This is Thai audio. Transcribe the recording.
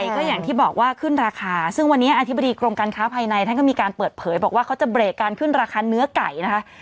ก็อย่างที่บอกว่าขึ้นราคาซึ่งวันนี้อธิบดีกรมการค้าภายในท่านก็มีการเปิดเผยบอกว่าเขาจะเบรกการขึ้นราคาเนื้อไก่นะคะ